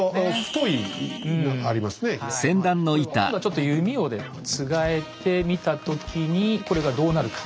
今度はちょっと弓をつがえてみた時にこれがどうなるか。